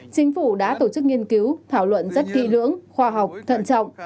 chính phủ đã tổ chức nghiên cứu thảo luận rất kỹ lưỡng khoa học thận trọng